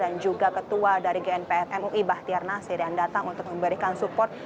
dan juga ketua dari gnpf mui bahtiar nasir yang datang untuk memberikan support